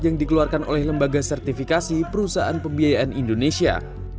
yang dikeluarkan oleh lembaga sertifikasi perusahaan pembiayaan indonesia